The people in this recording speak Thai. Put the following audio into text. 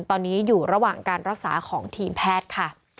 ตอนนี้อยู่ระหว่างการรักษาของทีมแพทย์ค่ะ